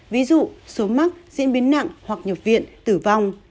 ví dụ số mắc diễn biến nặng hoặc nhập viện tử vong